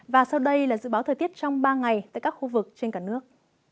và sau đây là dự báo thời tiết trong ba ngày tại các khu vực trên cả nước